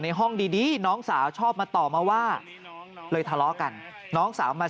ห้องดีน้องสาวชอบมาต่อมาว่าเลยทะเลาะกันน้องสาวมา